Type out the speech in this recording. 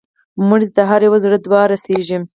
مړه ته د هر یو زړه دعا رسېږي